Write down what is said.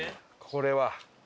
これは。